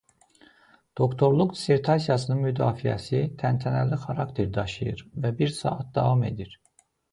Doktorluq dissertasiyasının müdafiəsi təntənəli xarakter daşıyır və bir saat davam edir.